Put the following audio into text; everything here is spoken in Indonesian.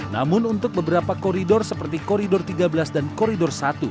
namun untuk beberapa koridor seperti koridor tiga belas dan koridor satu